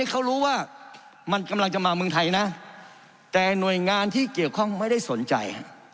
เขารู้ว่ามันกำลังจะมาเมืองไทยนะแต่หน่วยงานที่เกี่ยวข้องไม่ได้สนใจ